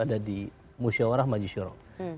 ada di musyawarah majusyoro